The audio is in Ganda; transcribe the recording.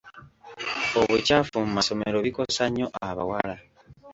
Obukyafu mu masomero bikosa nnyo abawala.